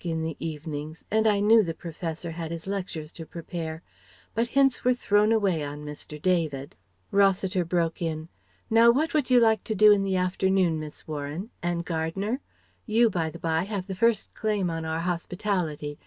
in the evenings, and I knew the Professor had his lectures to prepare, but hints were thrown away on Mr. David." Rossiter broke in: "Now what would you like to do in the afternoon, Miss Warren? And Gardner? You, by the bye, have the first claim on our hospitality.